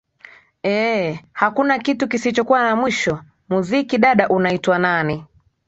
ee hakuna kitu kisichokuwa na mwisho muziki dada unaitwa nani